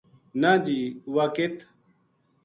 نہ جی ! وہ ک